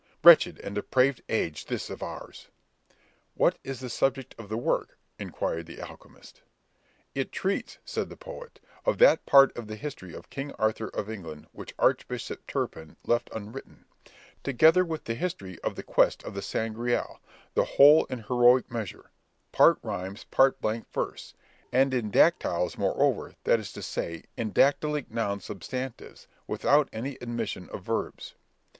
Wretched and depraved age this of ours!" "What is the subject of the work?" inquired the alchemist. "It treats," said the poet, "of that part of the history of king Arthur of England which archbishop Turpin left unwritten, together with the history of the quest of the Sangreal, the whole in heroic measure,—part rhymes, part blank verse; and in dactyles moreover, that is to say, in dactylic noun substantives, without any admission of verbs."